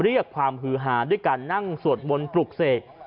เรียกความฮือหาด้วยการนั่งสวดมนต์ปลุกเสก